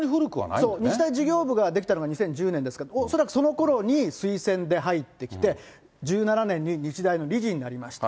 そう、日大事業部ができたのが２０１０年ですから、恐らくそのころに推薦で入ってきて、１７年に日大の理事になりました。